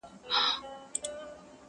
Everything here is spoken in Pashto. o انساني درد تر ټولو ژور دی,